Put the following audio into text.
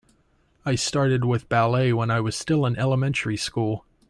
I started with ballet when I was still in elementary school.